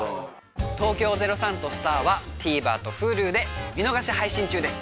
『東京０３とスタア』はＴＶｅｒとＨｕｌｕで見逃し配信中です。